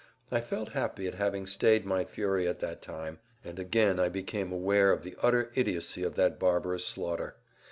I felt happy at having stayed my fury at that time, and again I became aware of the utter idiocy of that barbarous slaughter.